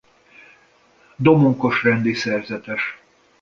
Domonkos-rendi szerzetes.